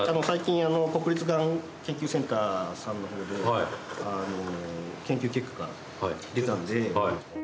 最近国立がん研究センターさんの方で研究結果が出たんで。